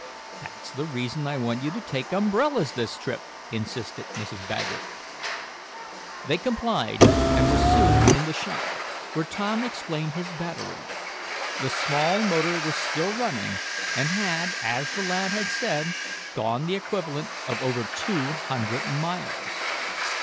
"That's the reason I want you to take umbrellas this trip," insisted Mrs. Baggert. They complied, and were soon in the shop, where Tom explained his battery. The small motor was still running and had, as the lad had said, gone the equivalent of over two hundred miles.